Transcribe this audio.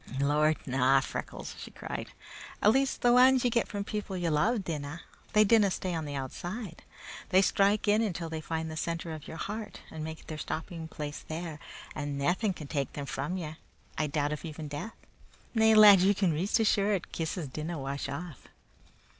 "Lord, na! Freckles," she cried. "At least, the anes ye get from people ye love dinna. They dinna stay on the outside. They strike in until they find the center of your heart and make their stopping place there, and naething can take them from ye I doubt if even death Na, lad, ye can be reet sure kisses dinna wash off!"